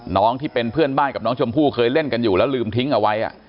ที่เป็นเพื่อนบ้านกับน้องชมพู่เคยเล่นกันอยู่แล้วลืมทิ้งเอาไว้